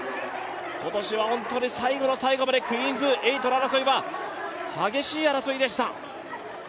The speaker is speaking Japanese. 今年は本当に最後の最後までクイーンズ８の争いは激しい争いでした。